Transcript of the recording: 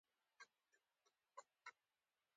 مسئولیتونه باوري کسانو ته وسپارل شي.